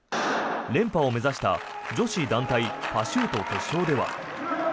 連覇を目指した女子団体パシュート決勝では。